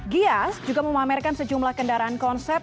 gias juga memamerkan sejumlah kendaraan konsep